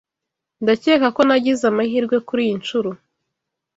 Ndakeka ko nagize amahirwe kuriyi nshuro.